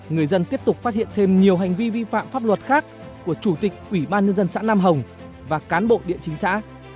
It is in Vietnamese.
người dân tiếp tục phát hiện thêm nhiều hành vi vi phạm pháp luật khác của chủ tịch ủy ban nhân dân xã nam hồng và cán bộ địa chính xã